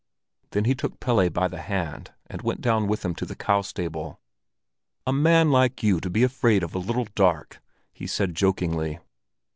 Then he took Pelle by the hand, and went down with him to the cow stable. "A man like you to be afraid of a little dark!" he said jokingly.